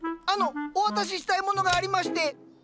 あのお渡ししたいものがありまして。